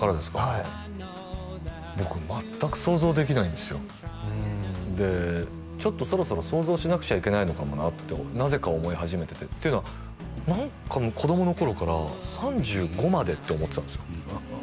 はい僕全く想像できないんですよでちょっとそろそろ想像しなくちゃいけないのかもなってなぜか思いはじめててというのは何か子供の頃から３５までって思ってたんですよ